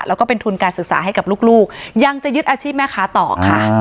แล้วก็เป็นทุนการศึกษาให้กับลูกยังจะยึดอาชีพแม่ค้าต่อค่ะ